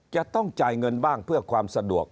จะต้องจ่ายเงินบ้างเพื่อความสะดวก